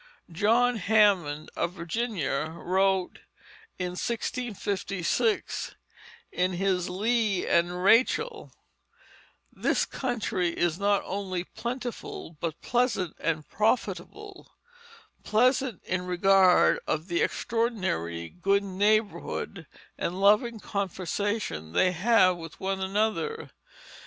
John Hammond, of Virginia, wrote in 1656, in his Leah and Rachel: "The Country is not only plentifull, but pleasant and profitable, pleasant in regard of the extraordinary good neighbourhood and loving conversation they have one with another.